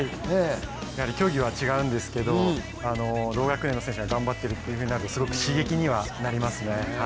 やはり競技は違うんですけど同学年の選手が頑張っているのは刺激にはなりますね。